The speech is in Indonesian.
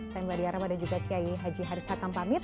saya melayu aram dan juga kiai haji haris hatta pamit